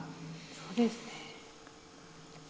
そうですね。